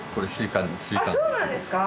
あっそうなんですか？